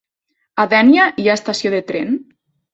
A Dénia hi ha estació de tren?